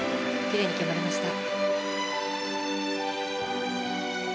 きれいに決まりました。